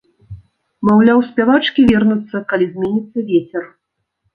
Маўляў, спявачкі вернуцца, калі зменіцца вецер.